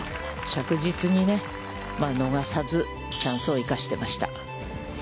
着実に逃さずチャンスを生かしていました。